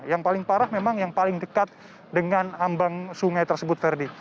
yang paling parah memang yang paling dekat dengan ambang sungai tersebut ferdi